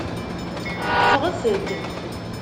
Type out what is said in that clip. Ffɣet-d.